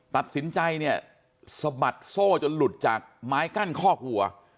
ตัดสินใจเนี่ยสะบัดโซ่จนหลุดจากไม้กั้นคอกหัว